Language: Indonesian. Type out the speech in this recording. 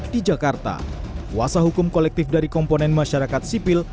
di jakarta kuasa hukum kolektif dari komponen masyarakat sipil